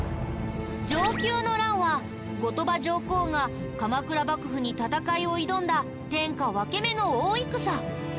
承久の乱は後鳥羽上皇が鎌倉幕府に戦いを挑んだ天下分け目の大戦。